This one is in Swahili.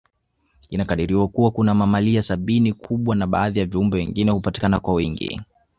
Inakadiriwa Kuwa kuna mamalia sabini kubwa na baadhi ya viumbe wengine hupatikana kwa wingi